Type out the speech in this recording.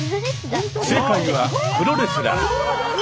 正解はプロレスラー。